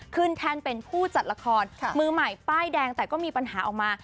แท่นเป็นผู้จัดละครมือใหม่ป้ายแดงแต่ก็มีปัญหาออกมา